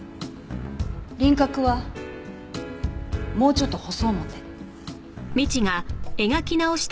輪郭はもうちょっと細面。